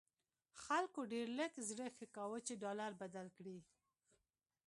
خلکو ډېر لږ زړه ښه کاوه چې ډالر بدل کړي.